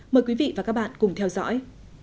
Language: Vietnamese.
mời quý vị và các bạn cùng theo dõi